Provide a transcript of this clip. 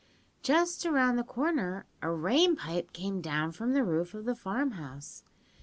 "Just around the corner a rain pipe came down from the roof of the farmhouse.